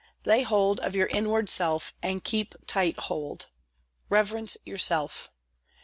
Lay hold of your inward self and keep tight hold. Reverence yourself.